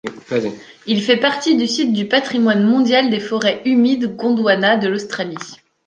Il fait partie du site du patrimoine mondial des forêts humides Gondwana de l’Australie.